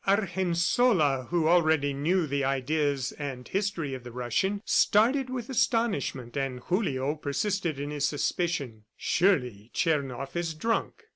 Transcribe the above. Argensola, who already knew the ideas and history of the Russian, started with astonishment, and Julio persisted in his suspicion, "Surely Tchernoff is drunk."